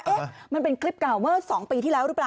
มันเป็นคลิปเก่าเมื่อ๒ปีที่แล้วหรือเปล่า